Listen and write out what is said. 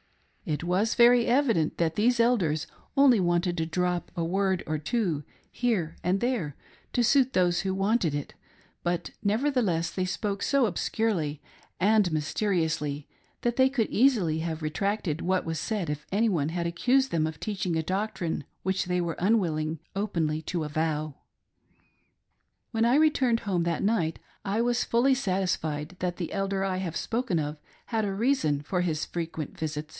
It was very evident that these elders only wanted to drop a word or two here and there to suit those who wanted it, but nevertheless they spoke so ob scurely and mysteriously that they could easily have retracted what was said if any one had accused them of teaching a doc trine which they were unwilling openly to avow. When I returned home that night I was fully satisfied that the Elder I have spoken of had a reason for his frequent visits.